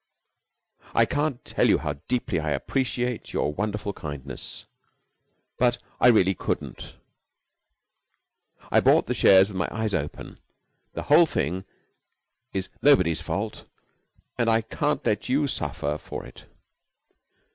"I can't tell you how deeply I appreciate your wonderful kindness, but I really couldn't. I bought the shares with my eyes open. The whole thing is nobody's fault, and I can't let you suffer for it.